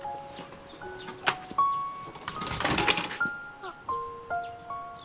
あっ。